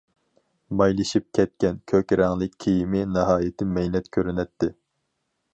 مايلىشىپ كەتكەن كۆك رەڭلىك كىيىمى ناھايىتى مەينەت كۆرۈنەتتى.